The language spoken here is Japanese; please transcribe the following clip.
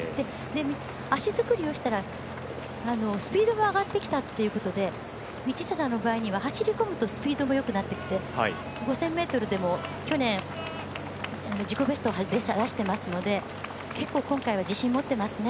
足作りをしたら、スピードが上がってきたということで道下さんの場合には走り込むとスピードもよくなってきて５０００ｍでも去年自己ベストを出していますので結構、今回は自信を持っていますね。